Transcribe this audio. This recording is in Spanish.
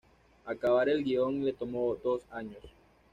Acabar el guion le tomó dos años.